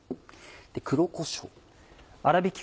黒こしょう。